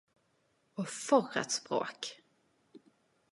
Og for eit språk!